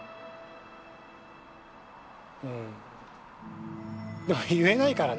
うんでも言えないからね